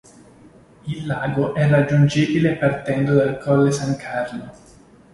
Il lago è raggiungibile partendo dal colle San Carlo.